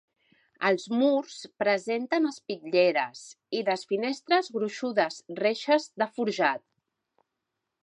Els murs presenten espitlleres i les finestres gruixudes reixes de forjat.